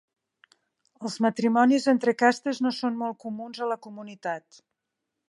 Els matrimonis entre castes no són molt comuns a la comunitat.